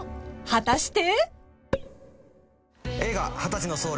［果たして？］